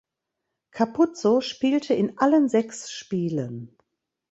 Capuzzo spielte in allen sechs Spielen.